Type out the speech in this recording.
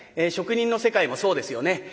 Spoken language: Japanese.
職人の世界もそうですよね。